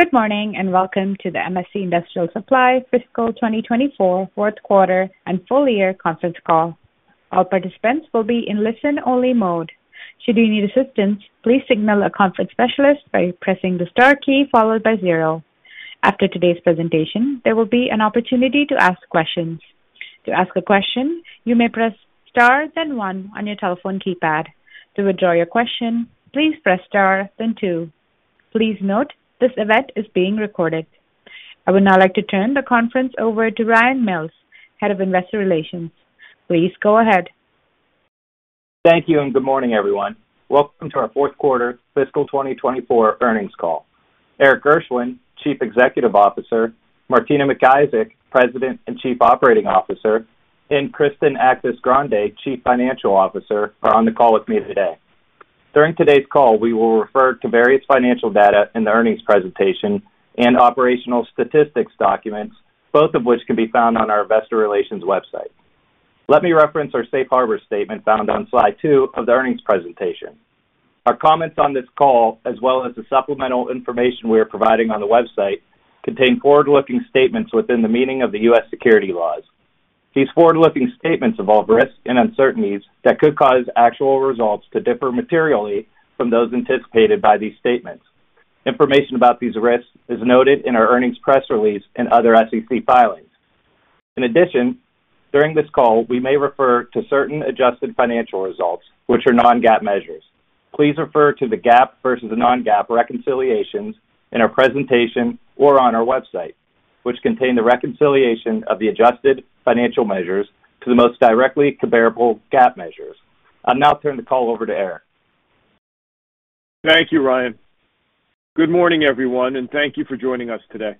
Good morning, and welcome to the MSC Industrial Supply Fiscal 2024 fourth quarter and full year conference call. All participants will be in listen-only mode. Should you need assistance, please signal a conference specialist by pressing the star key followed by zero. After today's presentation, there will be an opportunity to ask questions. To ask a question, you may press star then one on your telephone keypad. To withdraw your question, please press star, then two. Please note, this event is being recorded. I would now like to turn the conference over to Ryan Mills, Head of Investor Relations. Please go ahead. Thank you, and good morning, everyone. Welcome to our fourth quarter fiscal twenty twenty-four earnings call. Erik Gershwin, Chief Executive Officer, Martina McIsaac, President and Chief Operating Officer, and Kristen Actis-Grande, Chief Financial Officer, are on the call with me today. During today's call, we will refer to various financial data in the earnings presentation and operational statistics documents, both of which can be found on our investor relations website. Let me reference our safe harbor statement found on slide two of the earnings presentation. Our comments on this call, as well as the supplemental information we are providing on the website, contain forward-looking statements within the meaning of the U.S. securities laws. These forward-looking statements involve risks and uncertainties that could cause actual results to differ materially from those anticipated by these statements. Information about these risks is noted in our earnings press release and other SEC filings. In addition, during this call, we may refer to certain adjusted financial results, which are non-GAAP measures. Please refer to the GAAP versus the non-GAAP reconciliations in our presentation or on our website, which contain the reconciliation of the adjusted financial measures to the most directly comparable GAAP measures. I'll now turn the call over to Erik. Thank you, Ryan. Good morning, everyone, and thank you for joining us today.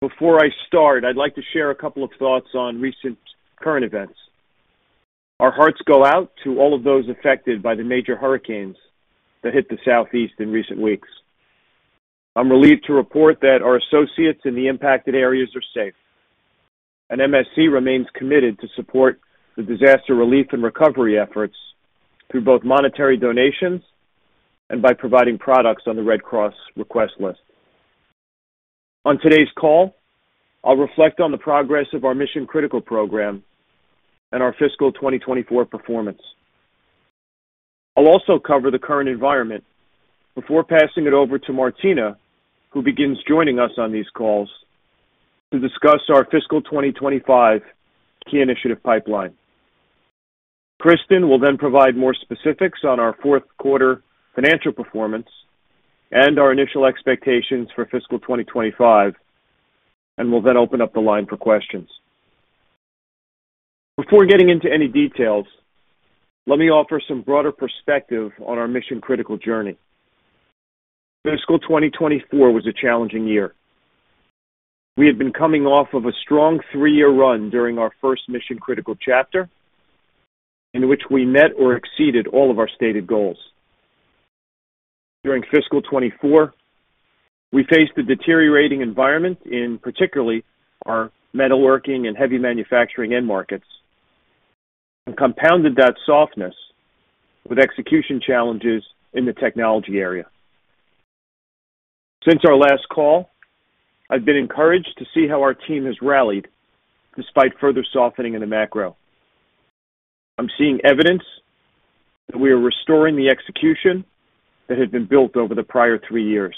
Before I start, I'd like to share a couple of thoughts on recent current events. Our hearts go out to all of those affected by the major hurricanes that hit the Southeast in recent weeks. I'm relieved to report that our associates in the impacted areas are safe, and MSC remains committed to support the disaster relief and recovery efforts through both monetary donations and by providing products on the Red Cross request list. On today's call, I'll reflect on the progress of our Mission Critical program and our fiscal 2024 performance. I'll also cover the current environment before passing it over to Martina, who begins joining us on these calls, to discuss our fiscal 2025 key initiative pipeline. Kristen will then provide more specifics on our fourth quarter financial performance and our initial expectations for fiscal twenty twenty-five, and we'll then open up the line for questions. Before getting into any details, let me offer some broader perspective on our Mission Critical journey. Fiscal twenty twenty-four was a challenging year. We had been coming off of a strong three-year run during our first Mission Critical chapter, in which we met or exceeded all of our stated goals. During fiscal twenty twenty-four, we faced a deteriorating environment particularly in our metalworking and heavy manufacturing end markets, and compounded that softness with execution challenges in the technology area. Since our last call, I've been encouraged to see how our team has rallied despite further softening in the macro. I'm seeing evidence that we are restoring the execution that had been built over the prior three years.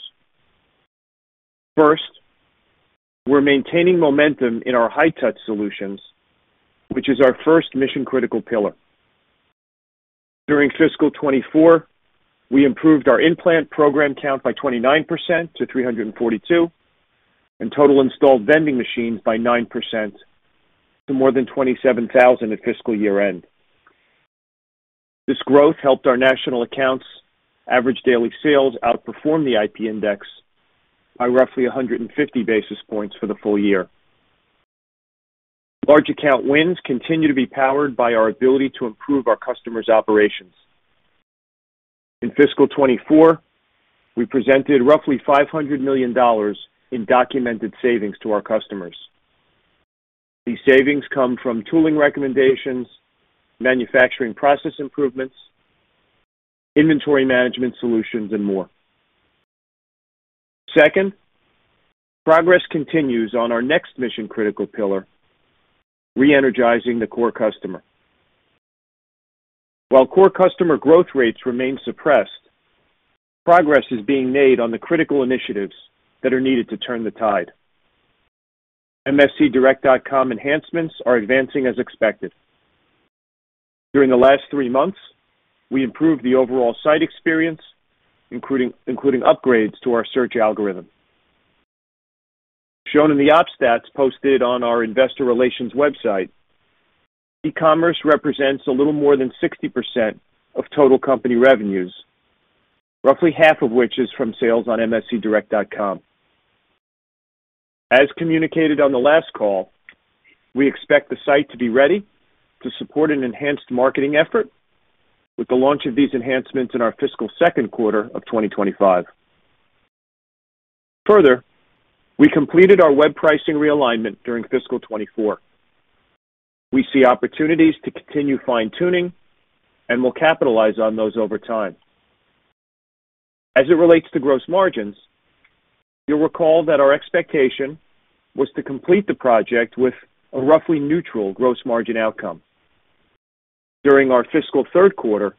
First, we're maintaining momentum in our high-touch solutions, which is our first Mission Critical pillar. During fiscal 2024, we improved our in-plant program count by 29% to 342, and total installed vending machines by 9% to more than 27,000 at fiscal year-end. This growth helped our national accounts' average daily sales outperform the IP Index by roughly 150 basis points for the full year. Large account wins continue to be powered by our ability to improve our customers' operations. In fiscal 2024, we presented roughly $500 million in documented savings to our customers. These savings come from tooling recommendations, manufacturing process improvements, inventory management solutions, and more. Second, progress continues on our next Mission Critical pillar: reenergizing the core customer. While core customer growth rates remain suppressed, progress is being made on the critical initiatives that are needed to turn the tide. MSCdirect.com enhancements are advancing as expected. During the last three months, we improved the overall site experience, including upgrades to our search algorithm. Shown in the op stats posted on our investor relations website, e-commerce represents a little more than 60% of total company revenues, roughly half of which is from sales on MSCdirect.com. As communicated on the last call, we expect the site to be ready to support an enhanced marketing effort with the launch of these enhancements in our fiscal second quarter of twenty twenty-five. Further, we completed our web pricing realignment during fiscal twenty twenty-four. We see opportunities to continue fine-tuning, and we'll capitalize on those over time. As it relates to gross margins, you'll recall that our expectation was to complete the project with a roughly neutral gross margin outcome. During our fiscal third quarter,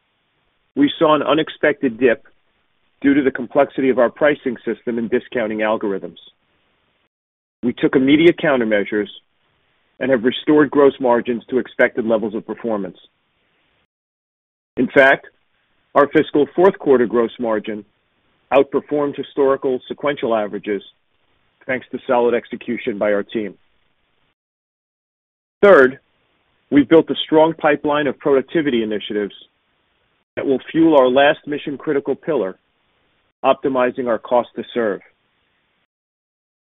we saw an unexpected dip due to the complexity of our pricing system and discounting algorithms. We took immediate countermeasures and have restored gross margins to expected levels of performance. In fact, our fiscal fourth quarter gross margin outperformed historical sequential averages, thanks to solid execution by our team. Third, we've built a strong pipeline of productivity initiatives that will fuel our last Mission Critical pillar, optimizing our cost to serve.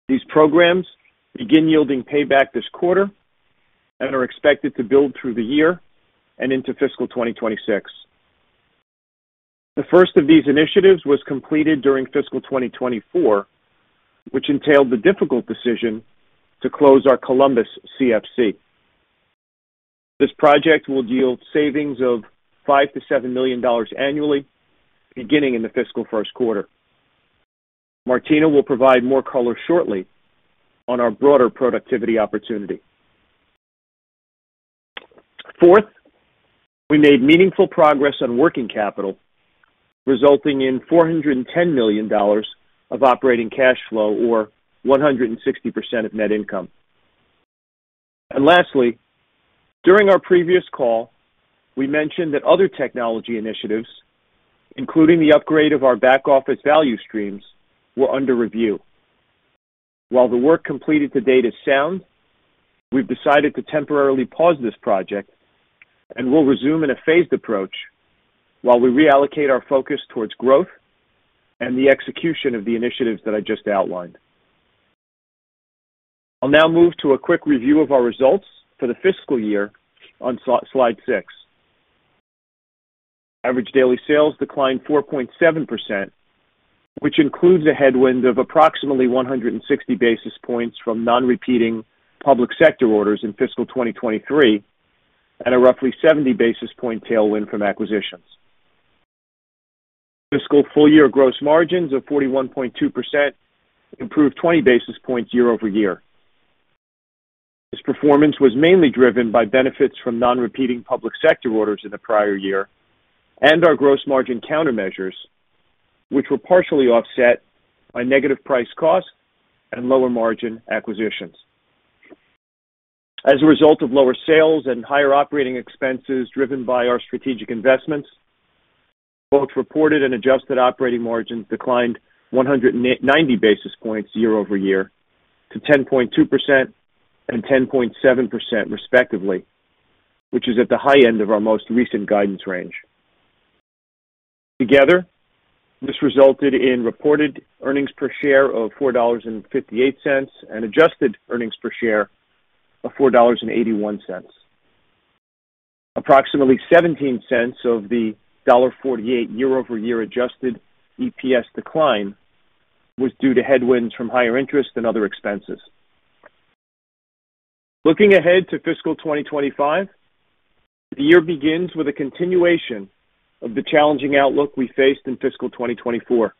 These programs begin yielding payback this quarter and are expected to build through the year and into fiscal twenty twenty-six. The first of these initiatives was completed during fiscal twenty twenty-four, which entailed the difficult decision to close our Columbus CFC. This project will yield savings of $5-$7 million annually, beginning in the fiscal first quarter. Martina will provide more color shortly on our broader productivity opportunity. Fourth, we made meaningful progress on working capital, resulting in $410 million of operating cash flow or 160% of net income. And lastly, during our previous call, we mentioned that other technology initiatives, including the upgrade of our back office value streams, were under review. While the work completed to date is sound, we've decided to temporarily pause this project and will resume in a phased approach while we reallocate our focus towards growth and the execution of the initiatives that I just outlined. I'll now move to a quick review of our results for the fiscal year on slide six. Average daily sales declined 4.7%, which includes a headwind of approximately 160 basis points from non-repeating public sector orders in fiscal 2023 and a roughly 70 basis point tailwind from acquisitions. Fiscal full-year gross margins of 41.2% improved 20 basis points year over year. This performance was mainly driven by benefits from non-repeating public sector orders in the prior year and our gross margin countermeasures, which were partially offset by negative price/cost and lower margin acquisitions. As a result of lower sales and higher operating expenses driven by our strategic investments, both reported and adjusted operating margins declined 190 basis points year over year to 10.2% and 10.7% respectively, which is at the high end of our most recent guidance range. Together, this resulted in reported earnings per share of $4.58 and adjusted earnings per share of $4.81. Approximately $0.17 of the $1.48 year-over-year adjusted EPS decline was due to headwinds from higher interest and other expenses. Looking ahead to fiscal 2025, the year begins with a continuation of the challenging outlook we faced in fiscal 2024.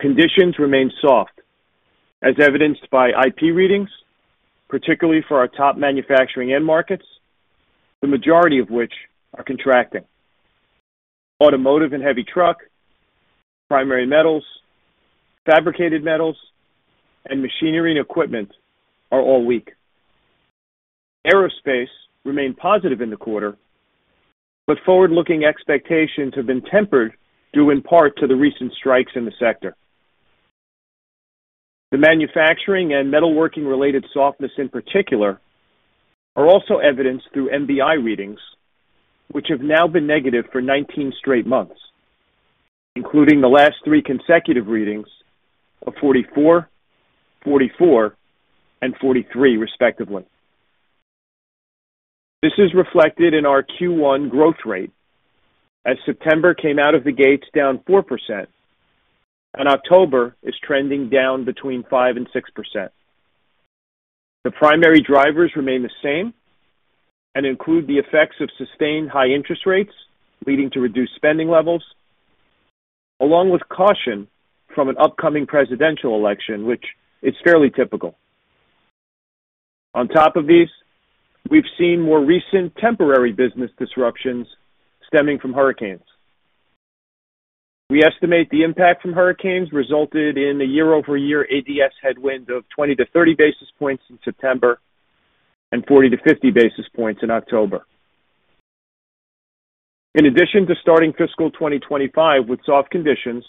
Conditions remain soft, as evidenced by IP readings, particularly for our top manufacturing end markets, the majority of which are contracting. Automotive and heavy truck, primary metals, fabricated metals, and machinery and equipment are all weak. Aerospace remained positive in the quarter, but forward-looking expectations have been tempered, due in part to the recent strikes in the sector. The manufacturing and metalworking-related softness, in particular, are also evidenced through MBI readings, which have now been negative for 19 straight months, including the last three consecutive readings of 44, 44, and 43, respectively. This is reflected in our Q1 growth rate, as September came out of the gates down 4%, and October is trending down between 5% and 6%. The primary drivers remain the same and include the effects of sustained high interest rates, leading to reduced spending levels, along with caution from an upcoming presidential election, which is fairly typical. On top of these, we've seen more recent temporary business disruptions stemming from hurricanes. We estimate the impact from hurricanes resulted in a year-over-year ADS headwind of 20-30 basis points in September and 40-50 basis points in October. In addition to starting fiscal twenty twenty-five with soft conditions,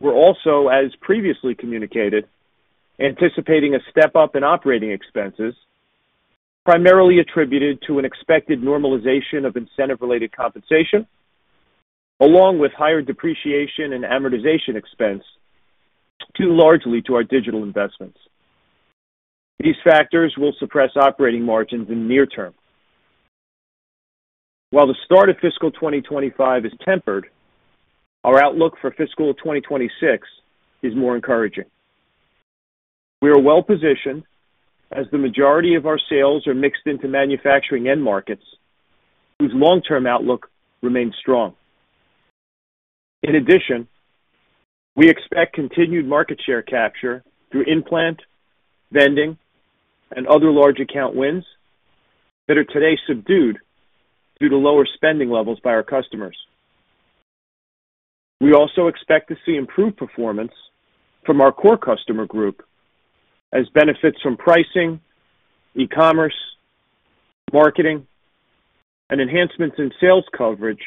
we're also, as previously communicated, anticipating a step-up in operating expenses, primarily attributed to an expected normalization of incentive-related compensation, along with higher depreciation and amortization expense, due largely to our digital investments. These factors will suppress operating margins in the near term... While the start of fiscal twenty twenty-five is tempered, our outlook for fiscal twenty twenty-six is more encouraging. We are well-positioned, as the majority of our sales are mixed into manufacturing end markets, whose long-term outlook remains strong. In addition, we expect continued market share capture through in-plant, vending, and other large account wins that are today subdued due to lower spending levels by our customers. We also expect to see improved performance from our core customer group as benefits from pricing, e-commerce, marketing, and enhancements in sales coverage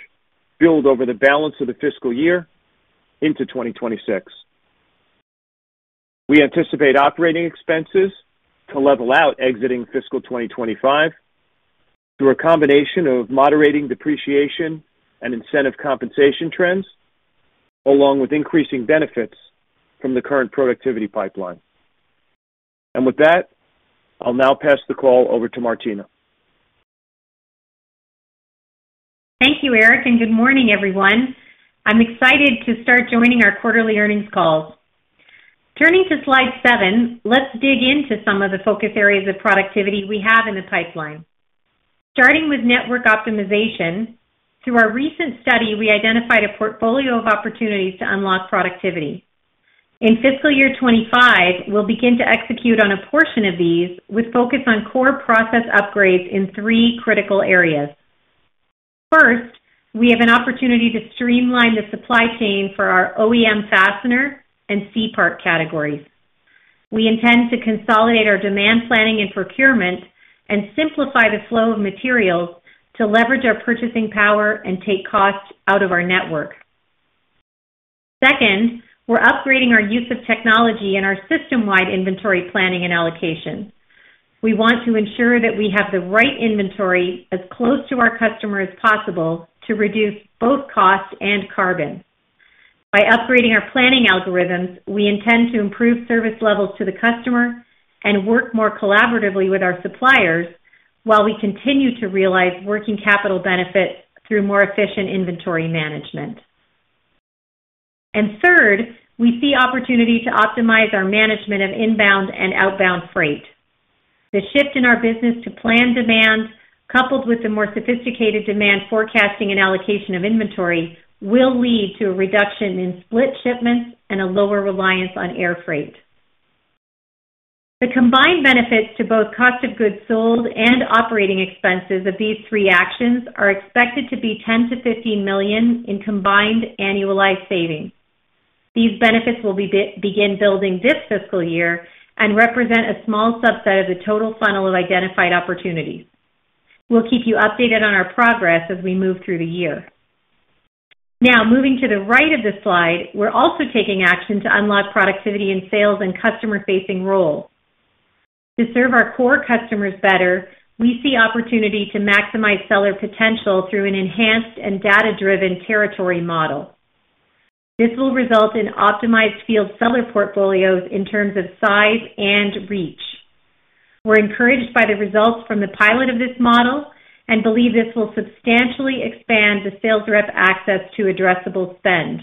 build over the balance of the fiscal year into twenty twenty-six. We anticipate operating expenses to level out exiting fiscal twenty twenty-five through a combination of moderating depreciation and incentive compensation trends, along with increasing benefits from the current productivity pipeline. And with that, I'll now pass the call over to Martina. Thank you, Erik, and good morning, everyone. I'm excited to start joining our quarterly earnings calls. Turning to slide seven, let's dig into some of the focus areas of productivity we have in the pipeline. Starting with network optimization, through our recent study, we identified a portfolio of opportunities to unlock productivity. In fiscal year twenty-five, we'll begin to execute on a portion of these, with focus on core process upgrades in three critical areas. First, we have an opportunity to streamline the supply chain for our OEM fastener and C-part categories. We intend to consolidate our demand planning and procurement and simplify the flow of materials to leverage our purchasing power and take costs out of our network. Second, we're upgrading our use of technology and our system-wide inventory planning and allocation. We want to ensure that we have the right inventory as close to our customer as possible to reduce both cost and carbon. By upgrading our planning algorithms, we intend to improve service levels to the customer and work more collaboratively with our suppliers, while we continue to realize working capital benefits through more efficient inventory management. Third, we see opportunity to optimize our management of inbound and outbound freight. The shift in our business to planned demand, coupled with the more sophisticated demand forecasting and allocation of inventory, will lead to a reduction in split shipments and a lower reliance on air freight. The combined benefits to both cost of goods sold and operating expenses of these three actions are expected to be $10-15 million in combined annualized savings. These benefits will begin building this fiscal year and represent a small subset of the total funnel of identified opportunities. We'll keep you updated on our progress as we move through the year. Now, moving to the right of the slide, we're also taking action to unlock productivity in sales and customer-facing roles. To serve our core customers better, we see opportunity to maximize seller potential through an enhanced and data-driven territory model. This will result in optimized field seller portfolios in terms of size and reach. We're encouraged by the results from the pilot of this model and believe this will substantially expand the sales rep access to addressable spend.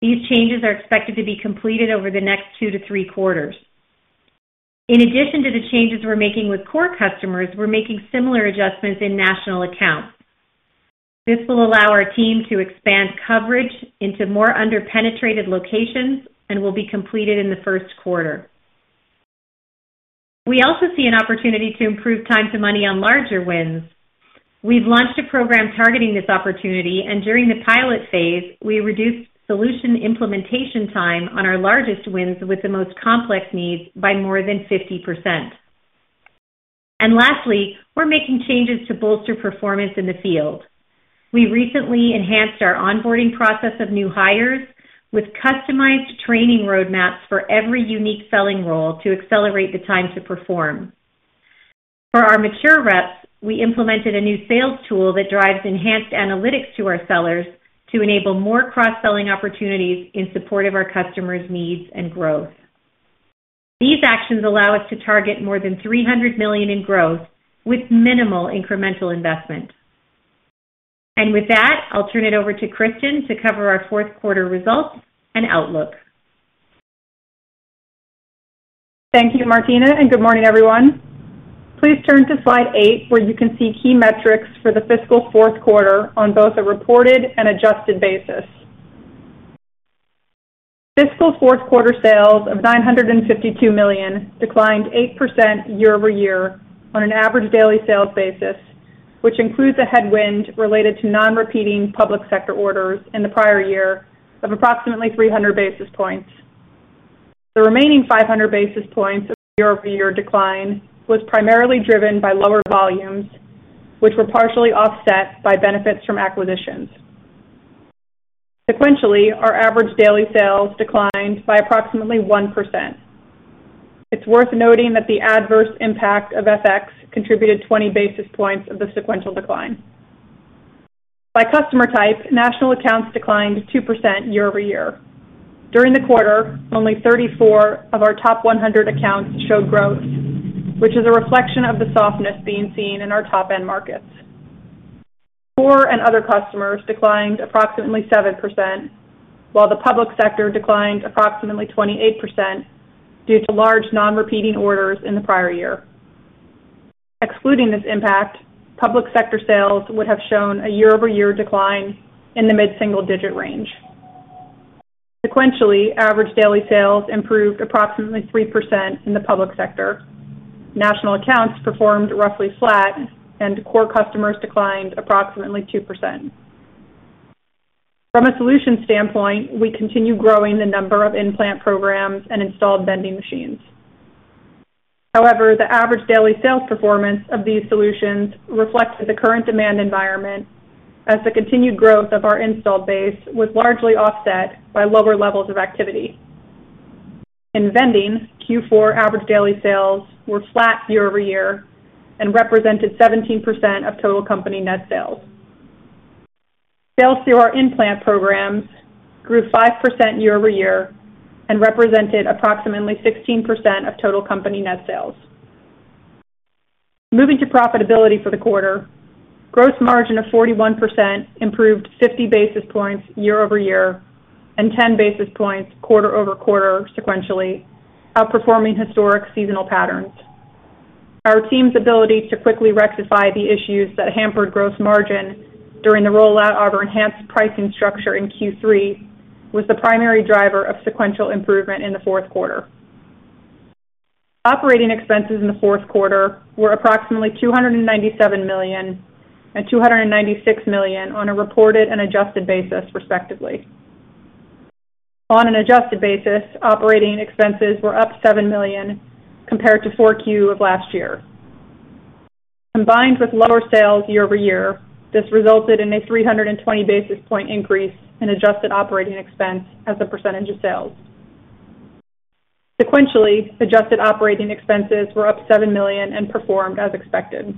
These changes are expected to be completed over the next two to three quarters. In addition to the changes we're making with core customers, we're making similar adjustments in national accounts. This will allow our team to expand coverage into more under-penetrated locations and will be completed in the first quarter. We also see an opportunity to improve time to money on larger wins. We've launched a program targeting this opportunity, and during the pilot phase, we reduced solution implementation time on our largest wins with the most complex needs by more than 50%. And lastly, we're making changes to bolster performance in the field. We recently enhanced our onboarding process of new hires with customized training roadmaps for every unique selling role to accelerate the time to perform. For our mature reps, we implemented a new sales tool that drives enhanced analytics to our sellers to enable more cross-selling opportunities in support of our customers' needs and growth. These actions allow us to target more than $300 million in growth with minimal incremental investment. With that, I'll turn it over to Kristen to cover our fourth quarter results and outlook. Thank you, Martina, and good morning, everyone. Please turn to slide 8, where you can see key metrics for the fiscal fourth quarter on both a reported and adjusted basis. Fiscal fourth quarter sales of $952 million declined 8% year over year on an average daily sales basis, which includes a headwind related to non-repeating public sector orders in the prior year of approximately 300 basis points. The remaining 500 basis points of year-over-year decline was primarily driven by lower volumes, which were partially offset by benefits from acquisitions. Sequentially, our average daily sales declined by approximately 1%. It's worth noting that the adverse impact of FX contributed 20 basis points of the sequential decline. By customer type, national accounts declined 2% year-over-year. During the quarter, only 34 of our top 100 accounts showed growth, which is a reflection of the softness being seen in our top-end markets. Core and other customers declined approximately 7%, while the public sector declined approximately 28% due to large non-repeating orders in the prior year. Excluding this impact, public sector sales would have shown a year-over-year decline in the mid-single digit range. Sequentially, average daily sales improved approximately 3% in the public sector. National accounts performed roughly flat, and core customers declined approximately 2%. From a solution standpoint, we continue growing the number of in-plant programs and installed vending machines. However, the average daily sales performance of these solutions reflects the current demand environment, as the continued growth of our installed base was largely offset by lower levels of activity. In vending, Q4 average daily sales were flat year-over-year and represented 17% of total company net sales. Sales through our in-plant programs grew 5% year-over-year and represented approximately 16% of total company net sales. Moving to profitability for the quarter, gross margin of 41% improved 50 basis points year-over-year and 10 basis points quarter over quarter sequentially, outperforming historic seasonal patterns. Our team's ability to quickly rectify the issues that hampered gross margin during the rollout of our enhanced pricing structure in Q3 was the primary driver of sequential improvement in the fourth quarter. Operating expenses in the fourth quarter were approximately $297 million and $296 million on a reported and adjusted basis, respectively. On an adjusted basis, operating expenses were up $7 million compared to Q4 of last year. Combined with lower sales year-over-year, this resulted in a 320 basis point increase in adjusted operating expense as a percentage of sales. Sequentially, adjusted operating expenses were up $7 million and performed as expected.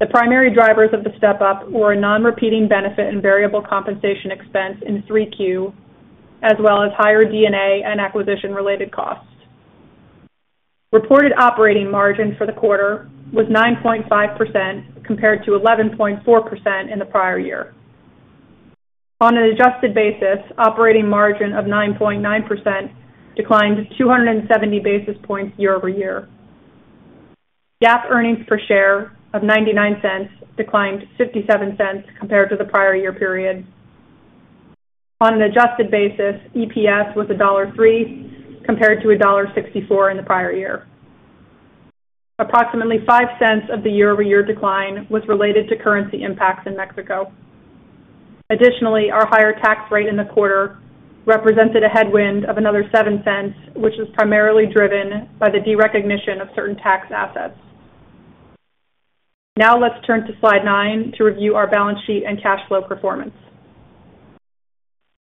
The primary drivers of the step up were a non-repeating benefit and variable compensation expense in 3Q, as well as higher D&A and acquisition-related costs. Reported operating margin for the quarter was 9.5%, compared to 11.4% in the prior year. On an adjusted basis, operating margin of 9.9% declined 270 basis points year-over-year. GAAP earnings per share of $0.99 declined to $0.57 compared to the prior year period. On an adjusted basis, EPS was $1.03, compared to $1.64 in the prior year. Approximately $0.05 of the year-over-year decline was related to currency impacts in Mexico. Additionally, our higher tax rate in the quarter represented a headwind of another $0.07, which is primarily driven by the derecognition of certain tax assets. Now, let's turn to Slide nine to review our balance sheet and cash flow performance.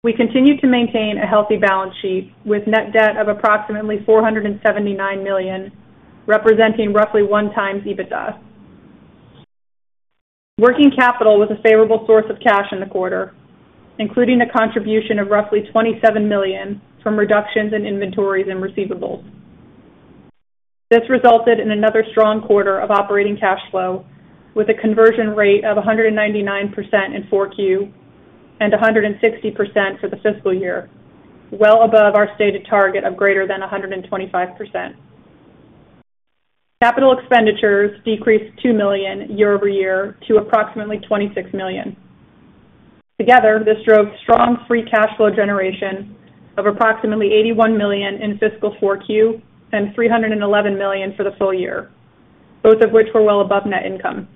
We continue to maintain a healthy balance sheet with net debt of approximately $479 million, representing roughly one times EBITDA. Working capital was a favorable source of cash in the quarter, including a contribution of roughly $27 million from reductions in inventories and receivables. This resulted in another strong quarter of operating cash flow, with a conversion rate of 199% in 4Q and 160% for the fiscal year, well above our stated target of greater than 125%. Capital expenditures decreased $2 million year-over-year to approximately $26 million. Together, this drove strong free cash flow generation of approximately $81 million in fiscal 4Q and $311 million for the full year, both of which were well above net income.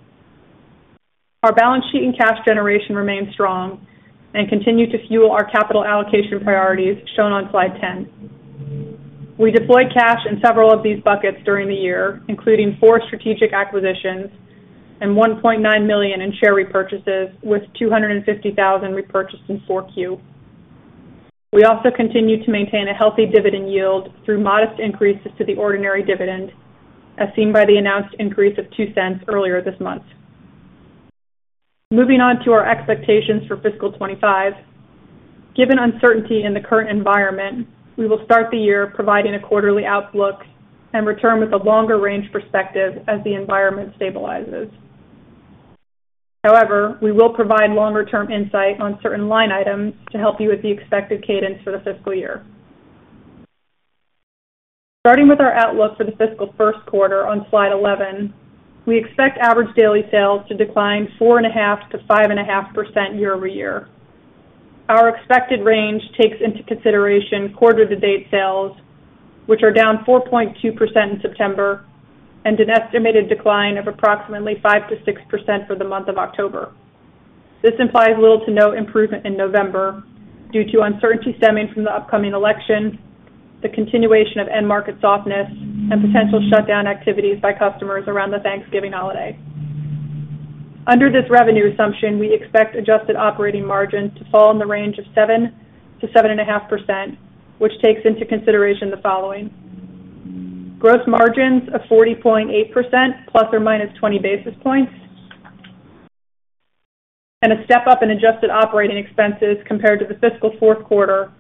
Our balance sheet and cash generation remain strong and continue to fuel our capital allocation priorities, shown on Slide 10. We deployed cash in several of these buckets during the year, including 4 strategic acquisitions and $1.9 million in share repurchases, with 250,000 repurchased in 4Q. We also continued to maintain a healthy dividend yield through modest increases to the ordinary dividend, as seen by the announced increase of $0.02 earlier this month. Moving on to our expectations for fiscal 2025. Given uncertainty in the current environment, we will start the year providing a quarterly outlook and return with a longer range perspective as the environment stabilizes. However, we will provide longer term insight on certain line items to help you with the expected cadence for the fiscal year. Starting with our outlook for the fiscal first quarter on Slide 11, we expect average daily sales to decline 4.5%-5.5% year-over-year. Our expected range takes into consideration quarter-to-date sales, which are down 4.2% in September, and an estimated decline of approximately 5%-6% for the month of October. This implies little to no improvement in November due to uncertainty stemming from the upcoming election, the continuation of end market softness, and potential shutdown activities by customers around the Thanksgiving holiday. Under this revenue assumption, we expect adjusted operating margin to fall in the range of 7%-7.5%, which takes into consideration the following: gross margins of 40.8%, plus or minus 20 basis points, and a step up in adjusted operating expenses compared to the fiscal fourth quarter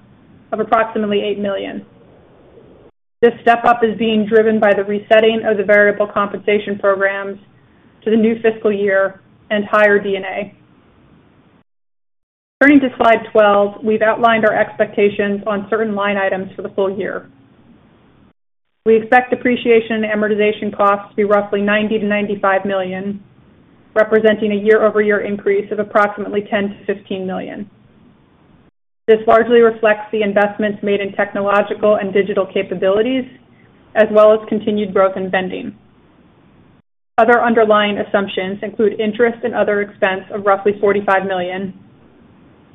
of approximately $8 million. This step up is being driven by the resetting of the variable compensation programs to the new fiscal year and higher D&A. Turning to Slide 12, we've outlined our expectations on certain line items for the full year. We expect depreciation and amortization costs to be roughly $90 million-$95 million, representing a year-over-year increase of approximately $10 million-$15 million. This largely reflects the investments made in technological and digital capabilities, as well as continued growth in vending. Other underlying assumptions include interest and other expense of roughly $45 million,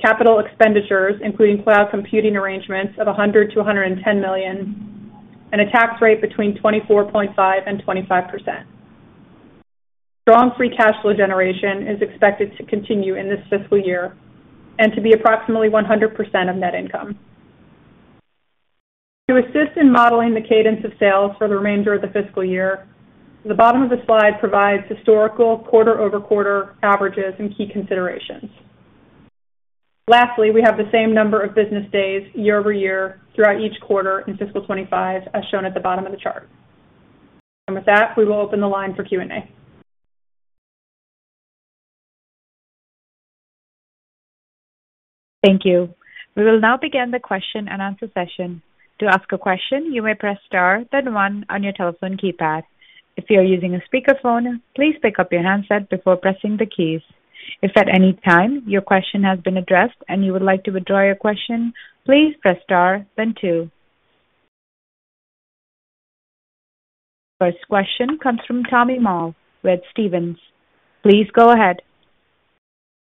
capital expenditures, including cloud computing arrangements, of $100-$110 million, and a tax rate between 24.5% and 25%. Strong free cash flow generation is expected to continue in this fiscal year and to be approximately 100% of net income. To assist in modeling the cadence of sales for the remainder of the fiscal year, the bottom of the slide provides historical quarter-over-quarter averages and key considerations. Lastly, we have the same number of business days year-over-year throughout each quarter in fiscal 2025, as shown at the bottom of the chart, and with that, we will open the line for Q&A. Thank you. We will now begin the question-and-answer session. To ask a question, you may press Star, then one on your telephone keypad. If you're using a speakerphone, please pick up your handset before pressing the keys. If at any time your question has been addressed and you would like to withdraw your question, please press Star then two. First question comes from Tommy Moll with Stephens. Please go ahead.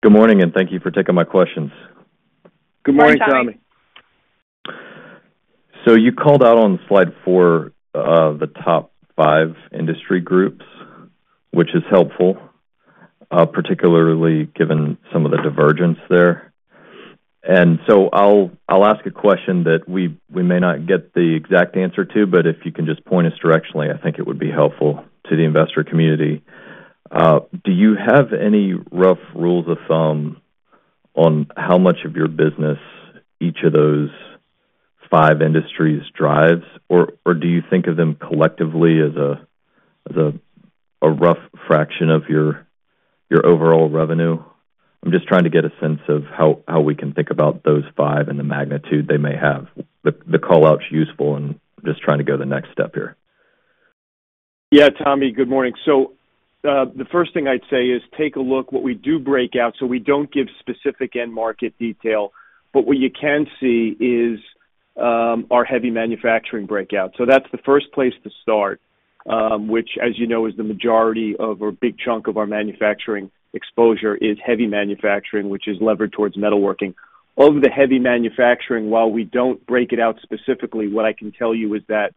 Good morning, and thank you for taking my questions. Good morning, Tommy. So you called out on slide four, the top five industry groups, which is helpful, particularly given some of the divergence there. And so I'll ask a question that we may not get the exact answer to, but if you can just point us directionally, I think it would be helpful to the investor community. Do you have any rough rules of thumb on how much of your business each of those five industries drives, or do you think of them collectively as a rough fraction of your overall revenue? I'm just trying to get a sense of how we can think about those five and the magnitude they may have. The call out's useful and just trying to go the next step here. Yeah, Tommy, good morning. So, the first thing I'd say is take a look what we do break out, so we don't give specific end market detail, but what you can see is, our heavy manufacturing breakout. So that's the first place to start, which, as you know, is the majority of or a big chunk of our manufacturing exposure is heavy manufacturing, which is levered towards metalworking. Of the heavy manufacturing, while we don't break it out specifically, what I can tell you is that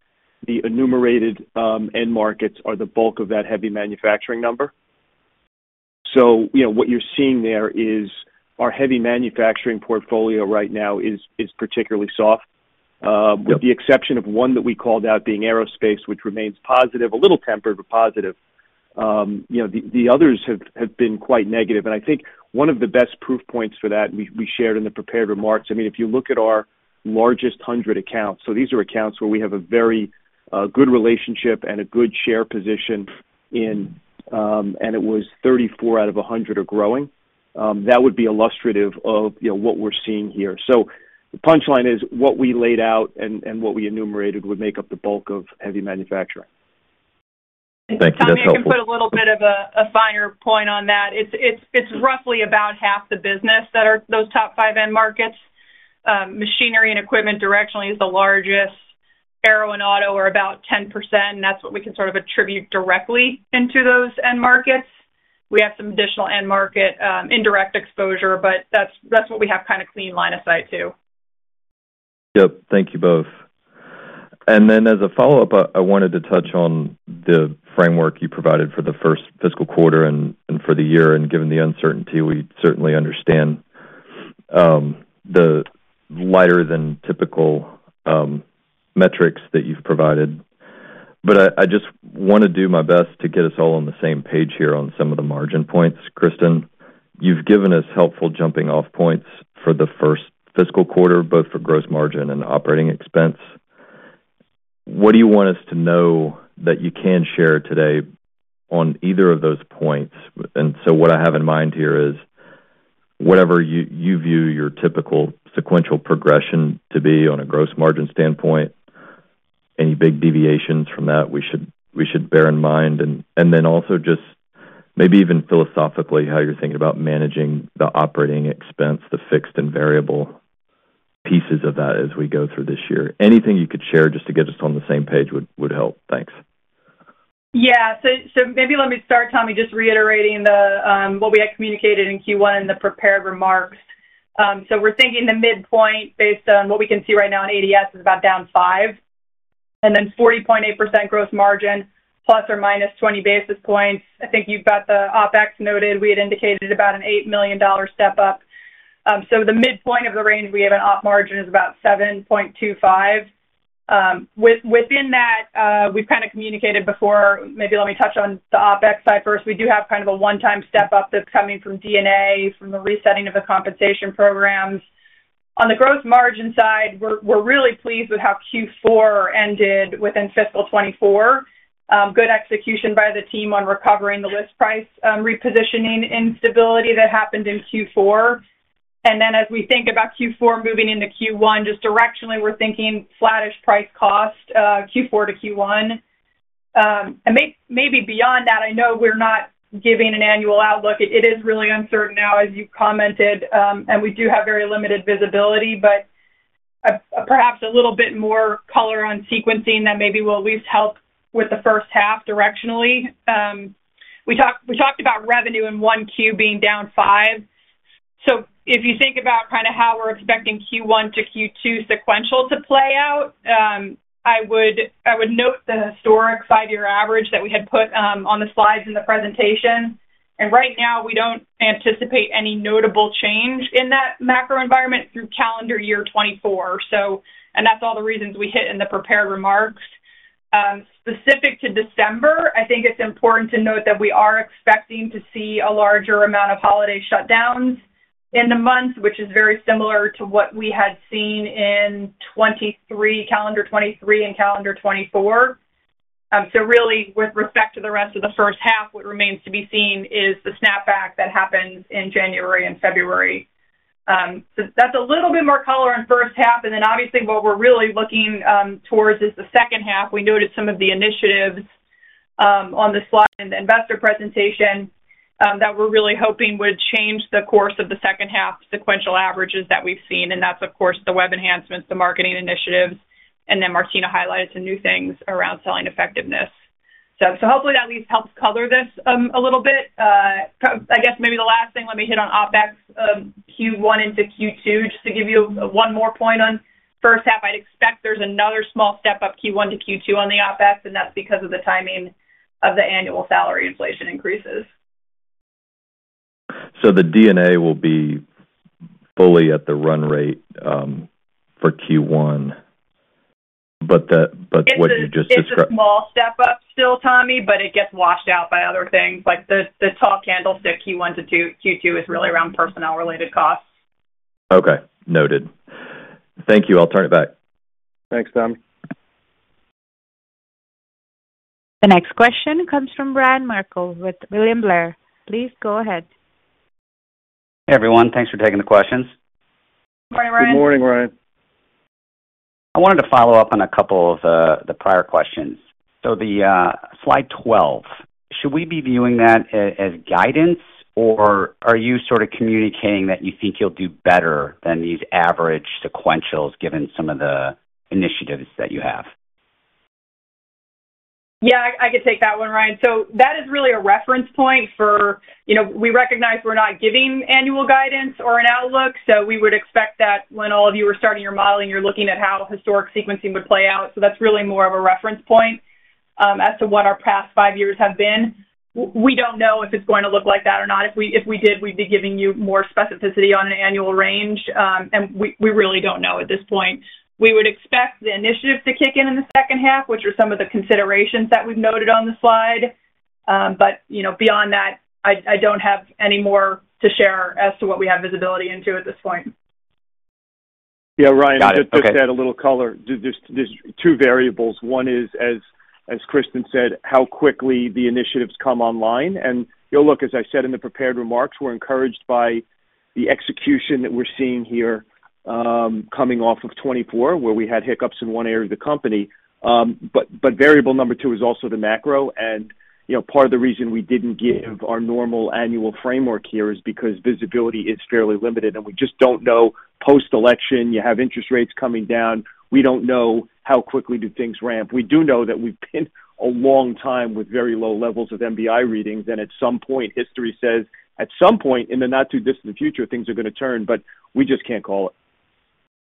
the enumerated end markets are the bulk of that heavy manufacturing number. So you know, what you're seeing there is our heavy manufacturing portfolio right now is particularly soft. Yep. with the exception of one that we called out being aerospace, which remains positive, a little tempered, but positive. You know, the others have been quite negative, and I think one of the best proof points for that, and we shared in the prepared remarks. I mean, if you look at our largest 100 accounts, so these are accounts where we have a very good relationship and a good share position in, and it was 34 out of 100 are growing, that would be illustrative of, you know, what we're seeing here. So the punchline is, what we laid out and what we enumerated would make up the bulk of heavy manufacturing. Thank you. That's helpful. Tommy, I can put a little bit of a finer point on that. It's roughly about half the business that are those top five end markets. Machinery and equipment directionally is the largest. Aero and auto are about 10%, and that's what we can sort of attribute directly into those end markets. We have some additional end market indirect exposure, but that's what we have kind of clean line of sight to. Yep. Thank you both. And then as a follow-up, I wanted to touch on the framework you provided for the first fiscal quarter and for the year, and given the uncertainty, we certainly understand the lighter than typical metrics that you've provided. But I just wanna do my best to get us all on the same page here on some of the margin points. Kristen, you've given us helpful jumping off points for the first fiscal quarter, both for gross margin and operating expense. What do you want us to know that you can share today on either of those points? And so what I have in mind here is whatever you view your typical sequential progression to be on a gross margin standpoint, any big deviations from that we should bear in mind. Then also just maybe even philosophically, how you're thinking about managing the operating expense, the fixed and variable pieces of that as we go through this year. Anything you could share just to get us on the same page would help. Thanks. Yeah. So maybe let me start, Tommy, just reiterating what we had communicated in Q1 in the prepared remarks, so we're thinking the midpoint, based on what we can see right now on ADS, is about down 5%, and then 40.8% gross margin, plus or minus 20 basis points. I think you've got the OpEx noted. We had indicated about a $8 million step up, so the midpoint of the range, we have an op margin is about 7.25%. Within that, we've kind of communicated before. Maybe let me touch on the OpEx side first. We do have kind of a one-time step up that's coming from D&A, from the resetting of the compensation programs. On the gross margin side, we're really pleased with how Q4 ended within fiscal 2024. Good execution by the team on recovering the list price, repositioning instability that happened in Q4. And then as we think about Q4 moving into Q1, just directionally, we're thinking flattish price cost, Q4 to Q1. And maybe beyond that, I know we're not giving an annual outlook. It is really uncertain now, as you've commented, and we do have very limited visibility, but, perhaps a little bit more color on sequencing that maybe will at least help with the first half directionally. We talked about revenue in one Q being down five. So if you think about kind of how we're expecting Q1 to Q2 sequential to play out, I would note the historic five-year average that we had put on the slides in the presentation. Right now, we don't anticipate any notable change in that macro environment through calendar year 2024. That's all the reasons we hit in the prepared remarks. Specific to December, I think it's important to note that we are expecting to see a larger amount of holiday shutdowns in the months, which is very similar to what we had seen in 2023, calendar year 2023 and calendar year 2024. So really, with respect to the rest of the first half, what remains to be seen is the snapback that happens in January and February. So that's a little bit more color on first half, and then obviously, what we're really looking towards is the second half. We noted some of the initiatives, on the slide in the investor presentation, that we're really hoping would change the course of the second half sequential averages that we've seen, and that's of course, the web enhancements, the marketing initiatives, and then Martina highlighted some new things around selling effectiveness. So hopefully, that at least helps color this, a little bit. I guess maybe the last thing, let me hit on OpEx, Q1 into Q2, just to give you one more point on first half. I'd expect there's another small step up Q1 to Q2 on the OpEx, and that's because of the timing of the annual salary inflation increases. The D&A will be fully at the run rate for Q1, but what you just described- It's a small step up still, Tommy, but it gets washed out by other things. Like, the talent acquisition, Q1 to Q2, is really around personnel-related costs. Okay, noted. Thank you. I'll turn it back. Thanks, Tommy. The next question comes from Ryan Merkel with William Blair. Please go ahead. Hey, everyone. Thanks for taking the questions. Good morning, Ryan. Good morning, Ryan. I wanted to follow up on a couple of the prior questions. So the slide 12, should we be viewing that as guidance, or are you sort of communicating that you think you'll do better than these average sequentials, given some of the initiatives that you have? Yeah, I can take that one, Ryan. So that is really a reference point for... You know, we recognize we're not giving annual guidance or an outlook, so we would expect that when all of you are starting your modeling, you're looking at how historic sequencing would play out. So that's really more of a reference point, as to what our past five years have been. We don't know if it's going to look like that or not. If we did, we'd be giving you more specificity on an annual range, and we really don't know at this point. We would expect the initiatives to kick in in the second half, which are some of the considerations that we've noted on the slide. But, you know, beyond that, I don't have any more to share as to what we have visibility into at this point. Yeah, Ryan, Got it. Okay. Just to add a little color. There's two variables. One is, as Kristen said, how quickly the initiatives come online. And, you know, look, as I said in the prepared remarks, we're encouraged by the execution that we're seeing here, coming off of twenty-four, where we had hiccups in one area of the company. But variable number two is also the macro, and, you know, part of the reason we didn't give our normal annual framework here is because visibility is fairly limited, and we just don't know. Post-election, you have interest rates coming down. We don't know how quickly do things ramp. We do know that we've pinned a long time with very low levels of MBI readings, and at some point, history says, at some point in the not too distant future, things are gonna turn, but we just can't call it.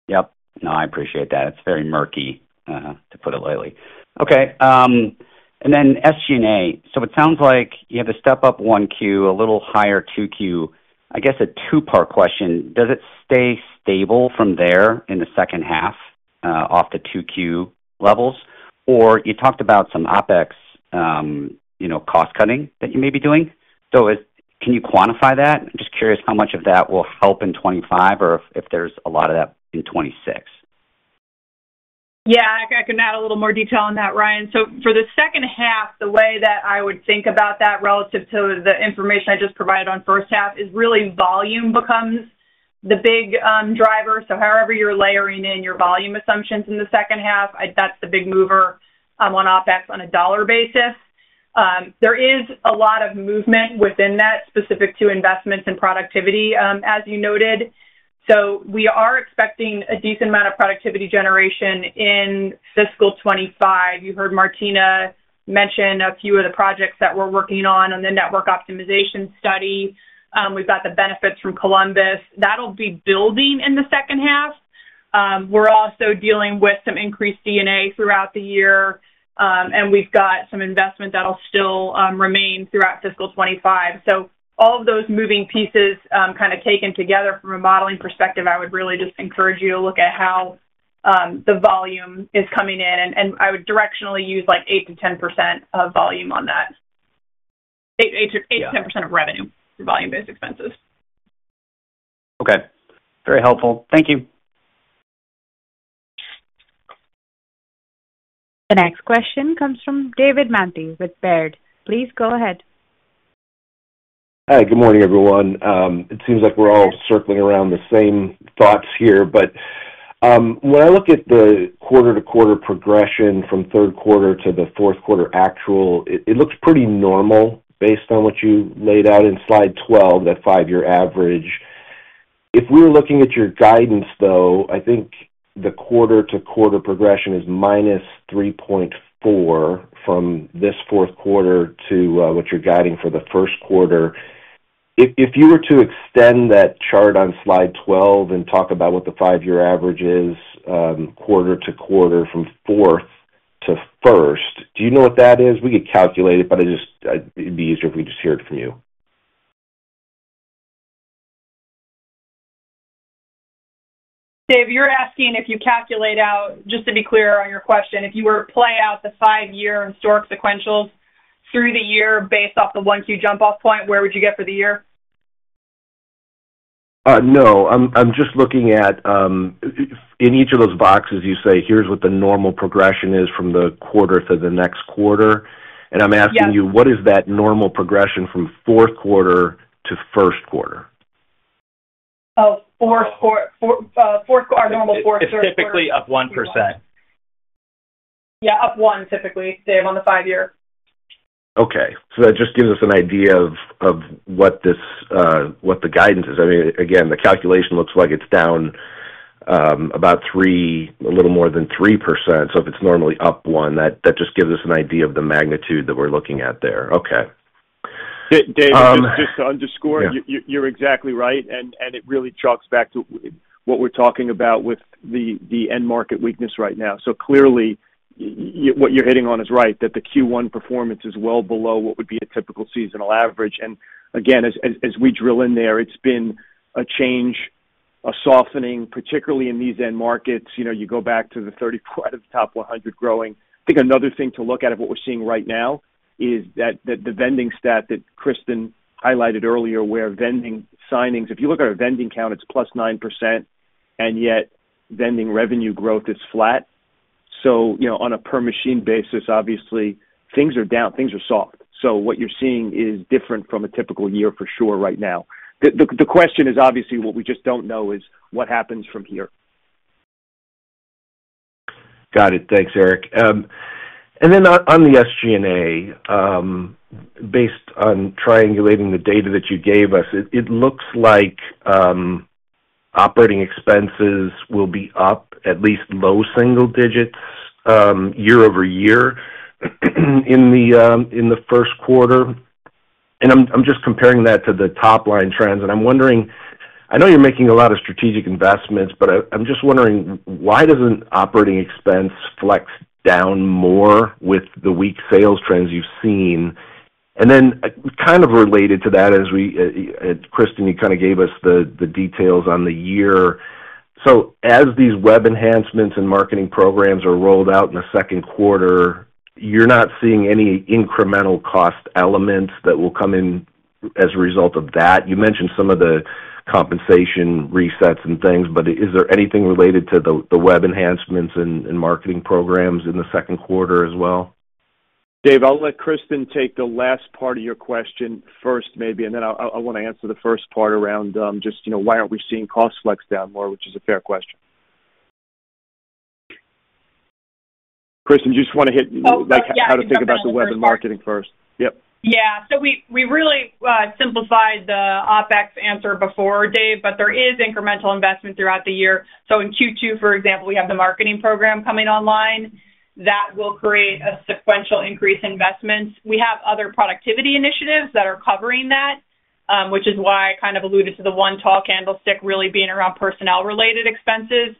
Yep. No, I appreciate that. It's very murky to put it lightly. Okay, and then SG&A. So it sounds like you have to step up one Q, a little higher two Q. I guess a two-part question: Does it stay stable from there in the second half, off the two Q levels? Or you talked about some OpEx, you know, cost cutting that you may be doing. So can you quantify that? I'm just curious how much of that will help in 2025, or if there's a lot of that in 2026. Yeah, I can add a little more detail on that, Ryan. So for the second half, the way that I would think about that relative to the information I just provided on first half, is really volume becomes the big driver. So however you're layering in your volume assumptions in the second half, that's the big mover on OpEx on a dollar basis. There is a lot of movement within that, specific to investments and productivity, as you noted. So we are expecting a decent amount of productivity generation in fiscal twenty-five. You heard Martina mention a few of the projects that we're working on in the network optimization study. We've got the benefits from Columbus. That'll be building in the second half. We're also dealing with some increased D&A throughout the year, and we've got some investment that'll still remain throughout fiscal twenty-five. So all of those moving pieces, kind of taken together from a modeling perspective, I would really just encourage you to look at how the volume is coming in, and I would directionally use, like, 8%-10% of volume on that. 8%-10% of revenue for volume-based expenses. Okay. Very helpful. Thank you. The next question comes from David Mantey with Baird. Please go ahead. Hi, good morning, everyone. It seems like we're all circling around the same thoughts here, but when I look at the quarter-to-quarter progression from third quarter to the fourth quarter actual, it looks pretty normal based on what you laid out in slide 12, that five-year average. If we were looking at your guidance, though, I think the quarter-to-quarter progression is minus three point four from this fourth quarter to what you're guiding for the first quarter. If you were to extend that chart on slide 12 and talk about what the five-year average is, quarter to quarter from fourth to first, do you know what that is? We could calculate it, but I just it'd be easier if we just hear it from you. Dave, you're asking if you calculate out, just to be clear on your question, if you were to play out the five-year and historic sequentials through the year based off the 1Q jump-off point, where would you get for the year? No. I'm just looking at, in each of those boxes, you say, "Here's what the normal progression is from the quarter to the next quarter. Yeah. I'm asking you, what is that normal progression from fourth quarter to first quarter? Oh, fourth quarter, our normal fourth quarter. It's typically up 1%. Yeah, up one, typically, Dave, on the five year. Okay. So that just gives us an idea of, of what this, what the guidance is. I mean, again, the calculation looks like it's down about 3, a little more than 3%. So if it's normally up one, that, that just gives us an idea of the magnitude that we're looking at there. Okay. Dave, just to underscore- Yeah. You're exactly right, and it really harks back to what we're talking about with the end market weakness right now. So clearly, what you're hitting on is right, that the Q1 performance is well below what would be a typical seasonal average. And again, as we drill in there, it's been a change, a softening, particularly in these end markets. You know, you go back to the 30 out of the top 100 growing. I think another thing to look at of what we're seeing right now is that the vending stat that Kristen highlighted earlier, where vending signings, if you look at our vending count, it's +9%, and yet vending revenue growth is flat. So, you know, on a per machine basis, obviously, things are down, things are soft. So what you're seeing is different from a typical year for sure, right now. The question is obviously, what we just don't know is what happens from here. Got it. Thanks, Erik. And then on the SGNA, based on triangulating the data that you gave us, it looks like operating expenses will be up at least low single digits, year over year, in the first quarter. And I'm just comparing that to the top-line trends, and I'm wondering. I know you're making a lot of strategic investments, but I'm just wondering, why doesn't operating expense flex down more with the weak sales trends you've seen? And then, kind of related to that, as we, Kristen, you kind of gave us the details on the year. So as these web enhancements and marketing programs are rolled out in the second quarter, you're not seeing any incremental cost elements that will come in as a result of that? You mentioned some of the compensation resets and things, but is there anything related to the web enhancements and marketing programs in the second quarter as well? Dave, I'll let Kristen take the last part of your question first, maybe, and then I'll, I want to answer the first part around, just, you know, why aren't we seeing cost flex down more, which is a fair question. Kristen, do you just want to hit- Oh, yeah. Like, how to think about the web and marketing first? Yep. Yeah. So we really simplified the OpEx answer before, Dave, but there is incremental investment throughout the year. So in Q2, for example, we have the marketing program coming online. That will create a sequential increase in investments. We have other productivity initiatives that are covering that, which is why I kind of alluded to the one tall candlestick really being around personnel-related expenses.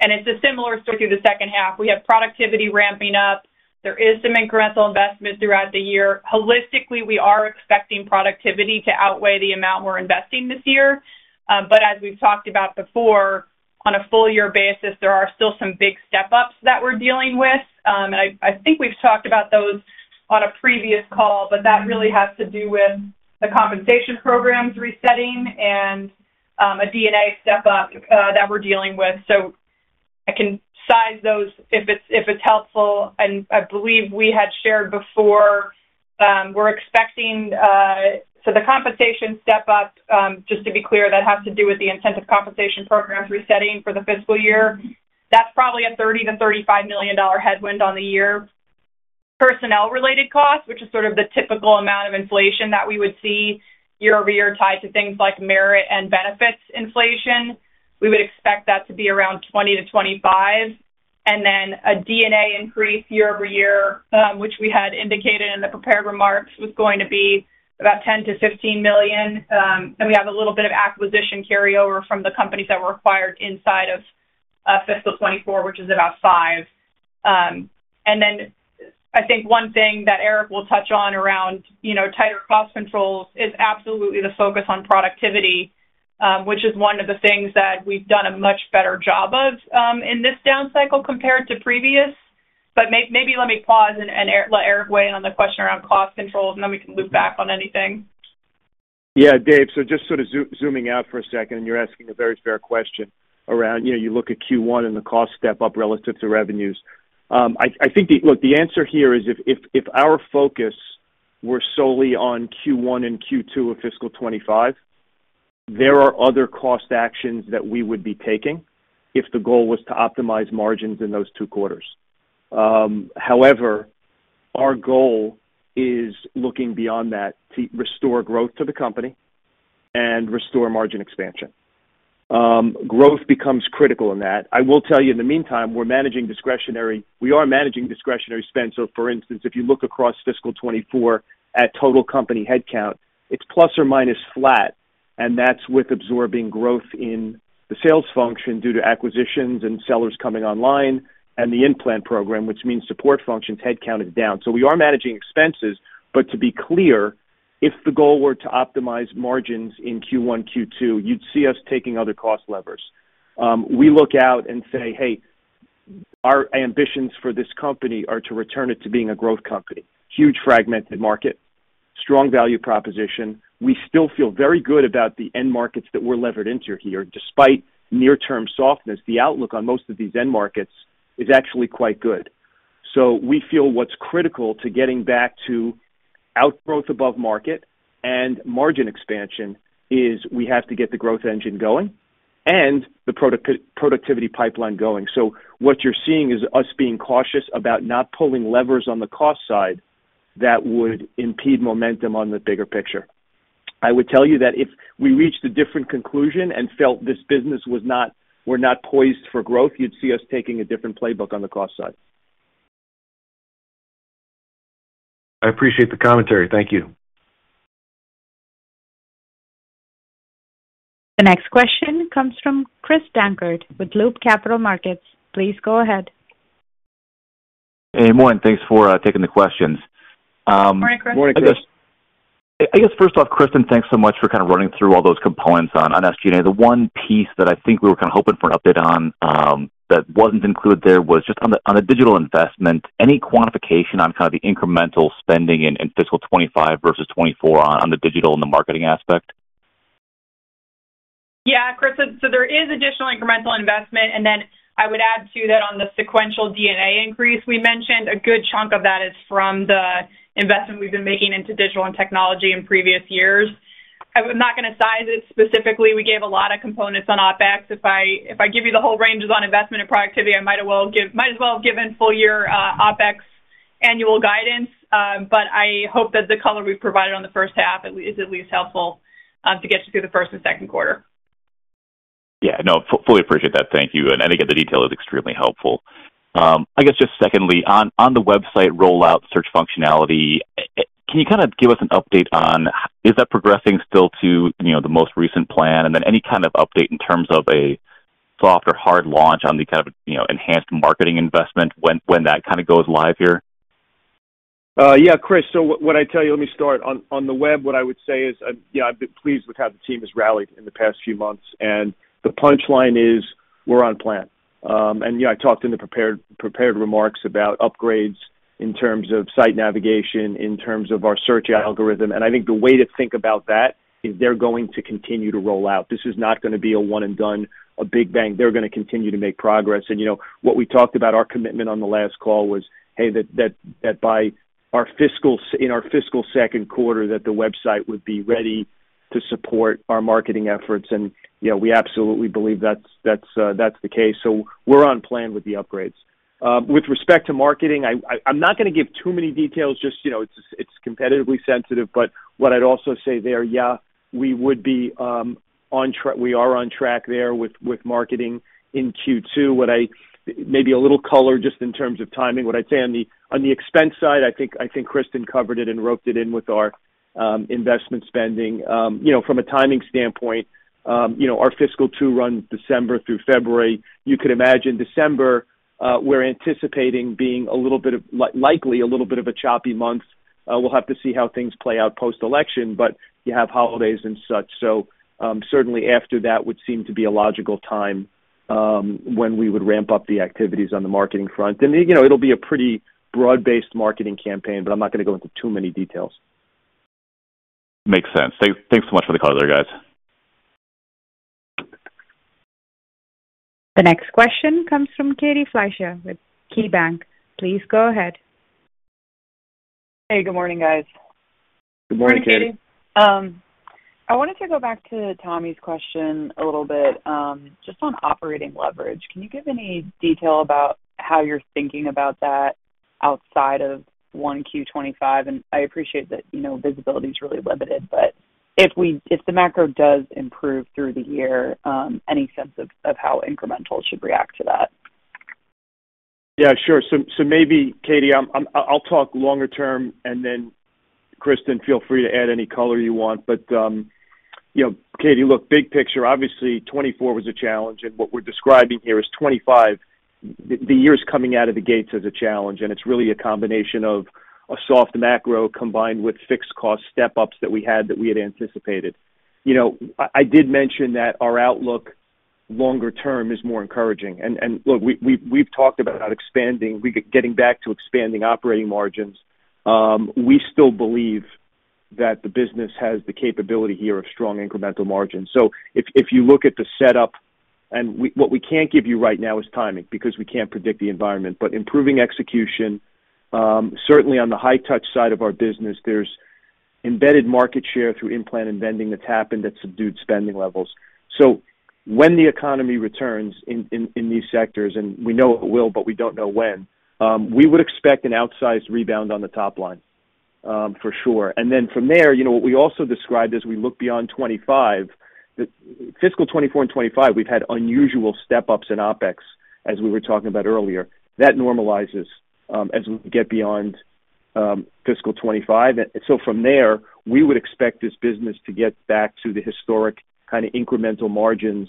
And it's a similar story through the second half. We have productivity ramping up. There is some incremental investment throughout the year. Holistically, we are expecting productivity to outweigh the amount we're investing this year. But as we've talked about before, on a full year basis, there are still some big step-ups that we're dealing with. And I think we've talked about those on a previous call, but that really has to do with the compensation programs resetting and a D&A step-up that we're dealing with. So I can size those if it's helpful. And I believe we had shared before, we're expecting. So the compensation step-up, just to be clear, that has to do with the incentive compensation programs resetting for the fiscal year. That's probably a $30-$35 million headwind on the year. Personnel-related costs, which is sort of the typical amount of inflation that we would see year over year, tied to things like merit and benefits inflation, we would expect that to be around 20-25.... and then a D&A increase year over year, which we had indicated in the prepared remarks, was going to be about $10 million to $15 million. And we have a little bit of acquisition carryover from the companies that were acquired inside of fiscal 2024, which is about $5 million. And then I think one thing that Eric will touch on around, you know, tighter cost controls is absolutely the focus on productivity, which is one of the things that we've done a much better job of, in this down cycle compared to previous. But maybe let me pause and let Eric weigh in on the question around cost controls, and then we can loop back on anything. Yeah, Dave, so just sort of zooming out for a second, and you're asking a very fair question around, you know, you look at Q1 and the cost step up relative to revenues. I think the answer here is if our focus were solely on Q1 and Q2 of fiscal 2025, there are other cost actions that we would be taking if the goal was to optimize margins in those two quarters. However, our goal is looking beyond that, to restore growth to the company and restore margin expansion. Growth becomes critical in that. I will tell you, in the meantime, we're managing discretionary spend. So for instance, if you look across fiscal 2024 at total company headcount, it's plus or minus flat, and that's with absorbing growth in the sales function due to acquisitions and sellers coming online, and the in-plant program, which means support functions, headcount is down. So we are managing expenses, but to be clear, if the goal were to optimize margins in Q1, Q2, you'd see us taking other cost levers. We look out and say, "Hey, our ambitions for this company are to return it to being a growth company." Huge fragmented market, strong value proposition. We still feel very good about the end markets that we're levered into here. Despite near-term softness, the outlook on most of these end markets is actually quite good. So we feel what's critical to getting back to outgrowth above market and margin expansion is we have to get the growth engine going and the productivity pipeline going. So what you're seeing is us being cautious about not pulling levers on the cost side that would impede momentum on the bigger picture. I would tell you that if we reached a different conclusion and felt this business was not, we're not poised for growth, you'd see us taking a different playbook on the cost side. I appreciate the commentary. Thank you. The next question comes from Chris Dankert with Loop Capital Markets. Please go ahead. Hey, morning. Thanks for taking the questions. Morning, Chris. Morning, Chris. I guess first off, Kristen, thanks so much for kind of running through all those components on SG&A. The one piece that I think we were kind of hoping for an update on that wasn't included there was just on the digital investment, any quantification on kind of the incremental spending in fiscal 2025 versus 2024 on the digital and the marketing aspect? Yeah, Chris, so there is additional incremental investment, and then I would add to that on the sequential D&A increase, we mentioned a good chunk of that is from the investment we've been making into digital and technology in previous years. I'm not gonna size it specifically. We gave a lot of components on OpEx. If I give you the whole ranges on investment and productivity, I might as well have given full year OpEx annual guidance. But I hope that the color we've provided on the first half is at least helpful to get you through the first and second quarter. Yeah, no, fully appreciate that. Thank you. I think the detail is extremely helpful. I guess just secondly, on the website rollout search functionality, can you kind of give us an update on is that progressing still to, you know, the most recent plan? And then any kind of update in terms of a soft or hard launch on the kind of, you know, enhanced marketing investment when that kind of goes live here? Yeah, Chris, so what I tell you, let me start on the web. What I would say is, yeah, I've been pleased with how the team has rallied in the past few months, and the punchline is we're on plan. And, you know, I talked in the prepared remarks about upgrades in terms of site navigation, in terms of our search algorithm. And I think the way to think about that is they're going to continue to roll out. This is not gonna be a one and done, a big bang. They're gonna continue to make progress. You know, what we talked about, our commitment on the last call was, hey, that by our fiscal second quarter, the website would be ready to support our marketing efforts. You know, we absolutely believe that's the case. So we're on plan with the upgrades. With respect to marketing, I'm not gonna give too many details just, you know, it's competitively sensitive, but what I'd also say there, yeah, we would be on track. We are on track there with marketing in Q2. Maybe a little color just in terms of timing. What I'd say on the expense side, I think Kristen covered it and roped it in with our investment spending. You know, from a timing standpoint, you know, our fiscal Q2 runs December through February. You could imagine December, we're anticipating being likely a little bit of a choppy month. We'll have to see how things play out post-election, but you have holidays and such, certainly after that would seem to be a logical time when we would ramp up the activities on the marketing front. You know, it'll be a pretty broad-based marketing campaign, but I'm not gonna go into too many details. Makes sense. Thanks so much for the color, guys. The next question comes from Katie Fleischer with KeyBanc. Please go ahead. Hey, good morning, guys. Good morning, Katie. Good morning, Katie. I wanted to go back to Tommy's question a little bit, just on operating leverage. Can you give any detail about how you're thinking about that? Outside of 1Q25, and I appreciate that, you know, visibility is really limited. But if the macro does improve through the year, any sense of how incremental should react to that? Yeah, sure. So maybe, Katie, I'm- I'll talk longer term, and then Kristen, feel free to add any color you want. But, you know, Katie, look, big picture, obviously twenty-four was a challenge, and what we're describing here is twenty-five. The year's coming out of the gates as a challenge, and it's really a combination of a soft macro combined with fixed cost step ups that we had anticipated. You know, I did mention that our outlook longer term is more encouraging. And look, we, we've talked about expanding we getting back to expanding operating margins. We still believe that the business has the capability here of strong incremental margins. So if you look at the setup, and what we can't give you right now is timing, because we can't predict the environment. But improving execution, certainly on the high touch side of our business, there's embedded market share through In-Plant and vending that's happened, that's subdued spending levels. So when the economy returns in these sectors, and we know it will, but we don't know when, we would expect an outsized rebound on the top line, for sure. And then from there, you know what we also described as we look beyond twenty-five, the fiscal twenty-four and twenty-five, we've had unusual step ups in OpEx, as we were talking about earlier. That normalizes, as we get beyond fiscal twenty-five. And so from there, we would expect this business to get back to the historic kind of incremental margins